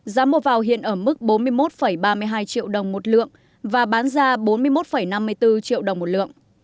giá mua vào hiện ở mức bốn mươi một ba mươi hai triệu đồng một lượng và bán ra bốn mươi một năm mươi bốn triệu đồng một lượng